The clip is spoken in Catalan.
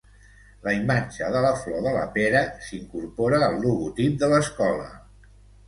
La imatge de la flor de la pera s'incorpora al logotip de l'escola.